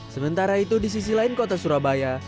sementara itu di sisi lain kota surabaya